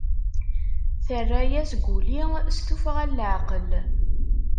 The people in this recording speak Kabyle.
Terra-as Guli s tufɣa n laɛqel.